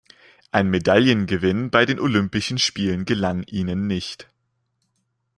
Ein Medaillengewinn bei den Olympischen Spielen gelang ihnen nicht.